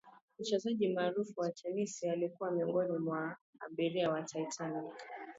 mchezaji maarufu wa tenisi alikuwa miongoni mwa abiria wa titanic